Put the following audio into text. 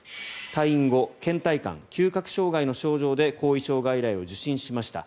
退院後けん怠感、嗅覚障害の症状で後遺症外来を受診しました。